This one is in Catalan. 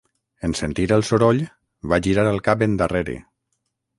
En sentir el soroll, va girar el cap endarrere.